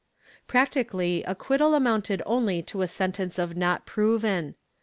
^ Practically acquittal amounted only to a sentence of not proven.